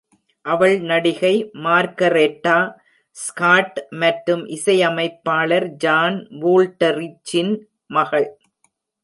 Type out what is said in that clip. அவள் நடிகை margherita Scott மற்றும் இசையமைப்பாளர் ஜான் வூல்ட்ரிட்ஜின் மகள்.